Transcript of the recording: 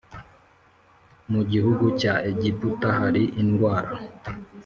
mu gihugu cya Egiputa hari indwara